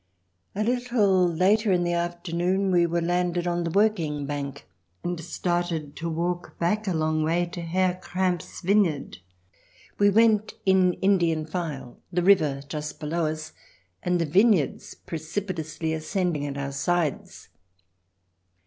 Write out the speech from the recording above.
A little later in the afternoon we were landed on the working bank, and started to walk back a long way to Herr Kramp's vineyard. We went in Indian file, the river just below us and the vineyards precipitously ascending at our sides.